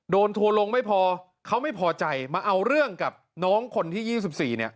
ทัวร์ลงไม่พอเขาไม่พอใจมาเอาเรื่องกับน้องคนที่๒๔เนี่ย